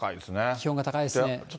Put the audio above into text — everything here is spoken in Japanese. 気温が高いですね。